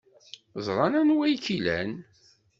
Ẓran anwa ay k-ilan.